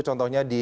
contohnya di uu